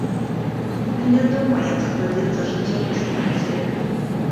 Невядома, як складзецца жыццё пасля адседкі.